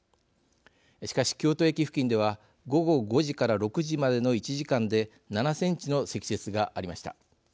しかし、京都駅付近では午後５時から６時までの１時間で７センチの積雪がありました。